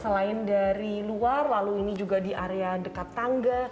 selain dari luar lalu ini juga di area dekat tangga